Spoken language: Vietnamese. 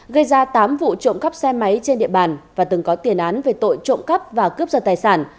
gây ra tám vụ trộm cắp xe máy trên địa bàn và từng có tiền án về tội trộm cắp và cướp giật tài sản